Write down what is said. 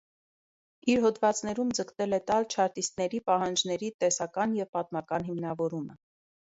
Իր հոդվածներում ձգտել է տալ չարտիստների պահանջների տեսական և պատմական հիմնավորումը։